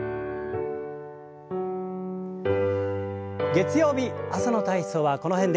月曜日朝の体操はこの辺で。